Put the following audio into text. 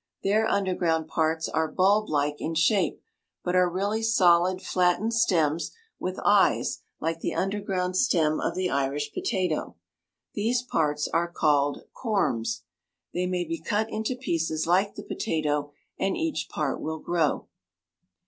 Their underground parts are bulblike in shape, but are really solid flattened stems with eyes like the underground stem of the Irish potato. These parts are called corms. They may be cut into pieces like the potato and each part will grow.